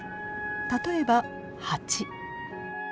例えばハチ。